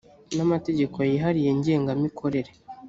n amategeko yihariye ngenga mikorere